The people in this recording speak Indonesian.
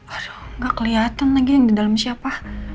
aduh gak kelihatan lagi yang di dalam siapa